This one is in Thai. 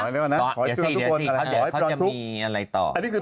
อย่าเรียกเค้าจะมีอะไรต่อ